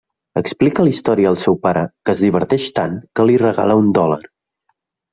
Explica la història al seu pare que es diverteix tant que li regala un dòlar.